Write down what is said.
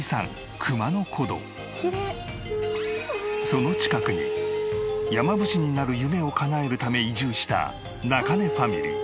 その近くに山伏になる夢をかなえるため移住した中根ファミリー。